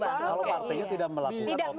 kalau partainya tidak melakukan otokritik ya